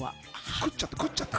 食っちゃった食っちゃった。